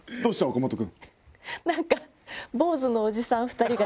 岡本君。